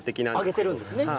揚げてるんですね。